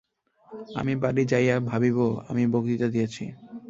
আমি বাড়ী যাইয়া ভাবিব, আমি বক্তৃতা দিয়াছি।